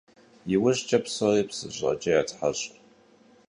ИужькӀэ псори псы щӀыӀэкӀэ ятхьэщӀ.